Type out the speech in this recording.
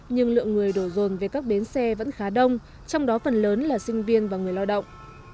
nhưng lượng người đổ rồn về các bến xe vẫn khá đông trong đó phần lớn là sinh viên và người lao động